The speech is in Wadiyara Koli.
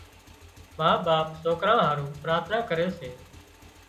ما ٻاپ سوڪران هارو پراٿنا ڪري سي